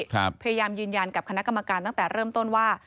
พยายามยืนยันกับคณะกรรมการตั้งแต่เริ่มต้นว่า